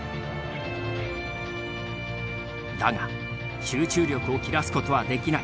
だが集中力を切らすことはできない。